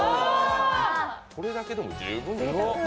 これだけでも十分。